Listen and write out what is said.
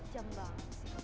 jam banget sih kamu